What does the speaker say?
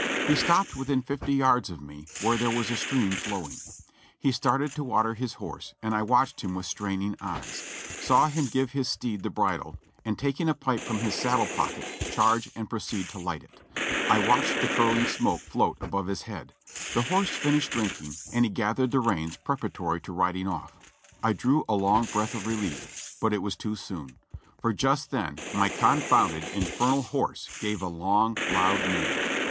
He stopped within fifty yards of me, where there was a stream flow ing. He started to water his horse and I watched him with straining eyes ; saw him give his steed the bridle, and taking a pipe from his saddle pocket, charge and proceed to light it. I watched the curling smoke float above his head. The horse finished drinking and he gathered the reins preparatory to riding off. I drew a long breath of relief, but it was too soon ; for just then my confounded, infernal horse gave a long, loud neigh.